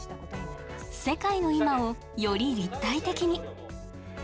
世界の今を、より立体的に。